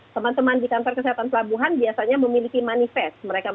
teman teman di kantor kesehatan pelabuhan biasanya memiliki manifest